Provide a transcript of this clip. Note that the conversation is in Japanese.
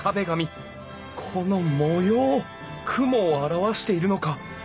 この模様雲を表しているのか。